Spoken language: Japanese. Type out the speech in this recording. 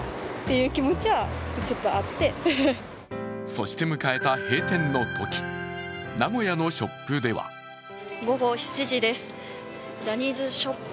そして迎えた閉店の時名古屋のショップでは午後７時です、ジャニーズショップ